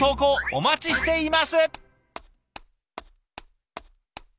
お待ちしています！